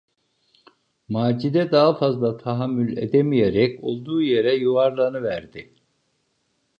Macide daha fazla tahammül edemeyerek olduğu yere yuvarlanıverdi.